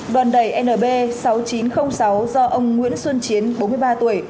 đoàn đẩy nb sáu nghìn chín trăm linh sáu do ông nguyễn xuân chiến bốn mươi ba tuổi